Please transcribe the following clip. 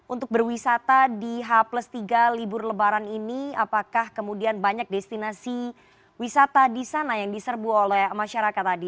untuk berwisata di h tiga libur lebaran ini apakah kemudian banyak destinasi wisata di sana yang diserbu oleh masyarakat tadi